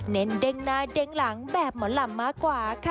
เน้นเด้งหน้าเด้งหลังแบบหมอลำมากกว่าค่ะ